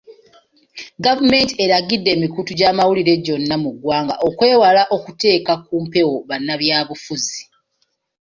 Gavumenti eragidde emikutu gy'amawulire gyonna mu ggwanga okwewala okuteeka ku mpewo bannabyabufuzi.